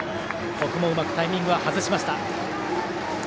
ここもうまくタイミングは外しました。